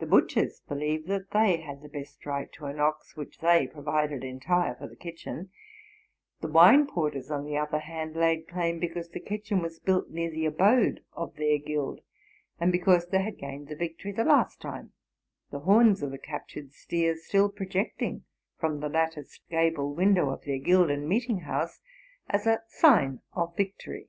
The butchers believed that they had the best right to an ox which they provided entire for the kitchen: the wine porters, on the other hand, laid claim because the kitchen was built near the abode of their guild, and because they had gained the victory the last time, the horns of the captured steer still projecting from the latticed gable window of their guild and meeting house as a sign of victory